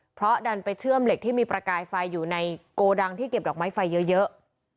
เพราะดันไปเชื่อมเหล็กที่มีประกายไฟอยู่ในโกดังที่เก็บดอกไม้ไฟเยอะ